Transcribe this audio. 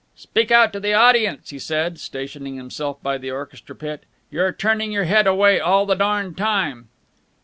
"Speak out to the audience," he said, stationing himself by the orchestra pit. "You're turning your head away all the darned time."